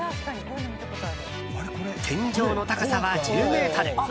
天井の高さは１０ｍ。